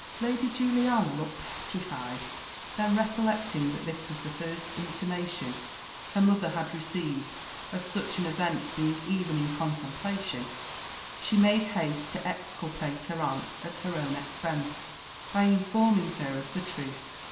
Lady Juliana looked petrified. Then recollecting that this was the first intimation her mother had received of such an event being even in contemplation, she made haste to exculpate her aunt at her own expense, by informing her of the truth.